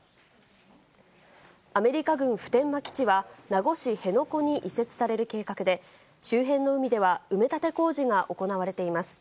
アメリカ軍普天間基地は、名護市辺野古に移設される計画で、周辺の海では埋め立て工事が行われています。